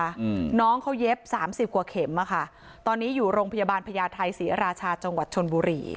อืมน้องเขาเย็บสามสิบกว่าเข็มอ่ะค่ะตอนนี้อยู่โรงพยาบาลพญาไทยศรีราชาจังหวัดชนบุรี